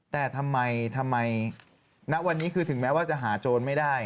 แต่ทำไมณวันนี้คือถึงแม้ว่าจะหาโจรไม่ได้